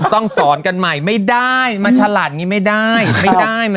ต้องพูดอย่างนี้